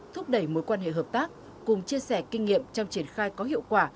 thúc đẩy mối quan hệ hợp tác cùng chia sẻ kinh nghiệm trong triển khai có hiệu quả